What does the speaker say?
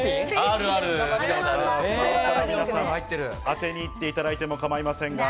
当てにいっていただいても構いませんが。